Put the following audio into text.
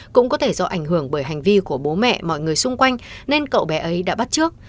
cũng có thể do ảnh hưởng bởi hành vi của bố mẹ mọi người xung quanh nên cậu bé ấy đã bắt trước